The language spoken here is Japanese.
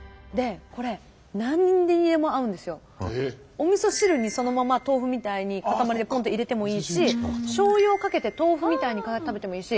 おみそ汁にそのまま豆腐みたいに塊でポンと入れてもいいししょうゆをかけて豆腐みたいに食べてもいいし。